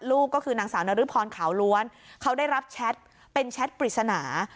ลูกก็คือนางสาวนริพรขาวล้วนเขาได้รับแชทเป็นแชทปริศนา